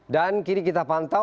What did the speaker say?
dan kini kita pantau